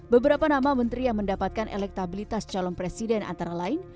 beberapa nama menteri yang mendapatkan elektabilitas calon presiden antara lain